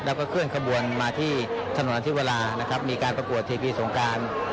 แล้วก็เคลื่อนขบวนมาที่ถนนอธิวรานะครับมีการประกวดทีวีสงการ